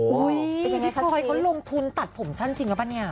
พี่ปลอยก็ลงทุนตัดผมชั้นจริงปะเนี่ย